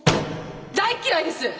大っ嫌いです！